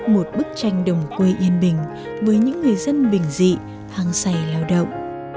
một bức tranh đồng quê yên bình với những người dân bình dị thang say lao động